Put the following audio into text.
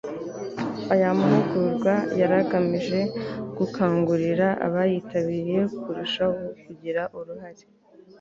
aya mahugurwa yari agamije gukangurira abayitabiriye kurushaho kugira uruhare